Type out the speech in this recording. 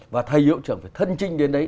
và thầy hiệu trưởng phải thân trinh đến đấy